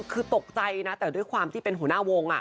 คือตกใจนะแต่ด้วยความที่เป็นหัวหน้าวง